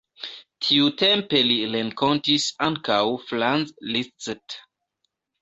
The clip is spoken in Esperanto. Tiutempe li renkontis ankaŭ Franz Liszt.